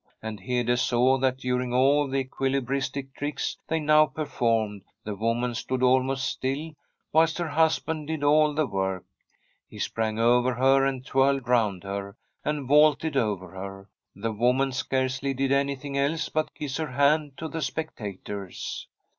And Hede saw that during all the equilibristic tricks they now performed the woman stood al most still, whilst her husband did all the work. He sprang over her, and twirled round her, and vaulted over her. The woman scarcely did anything else but kiss her hand to the spectators.